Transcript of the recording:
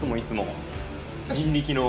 人力の。